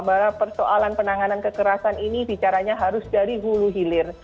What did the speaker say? bahwa persoalan penanganan kekerasan ini bicaranya harus dari hulu hilir